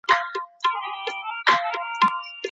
که د بحران مدیریت ټیمونه ویښ وي، نو زیانونه نه ډیریږي.